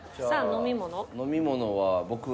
飲み物は僕は。